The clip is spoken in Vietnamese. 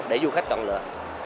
để du khách chọn lựa